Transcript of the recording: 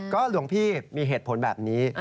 หลวงพี่มีเหตุผลแบบนี้